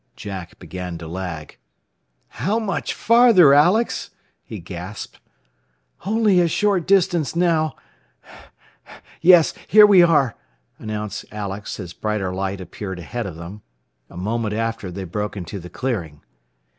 Jack began to lag. "How much farther, Alex?" he gasped. "Only a short distance, now. Yes, here we are," announced Alex, as brighter light appeared ahead of them. A moment after they broke into the clearing.